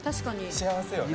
幸せよね。